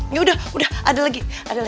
yaudah ada lagi